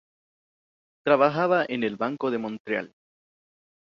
Trabajaba en el banco de Montreal.